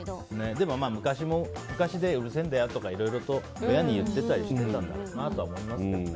でも、昔もうるせえんだよ！とかいろいろ親に言ってたりしたよなとは思いますけどね。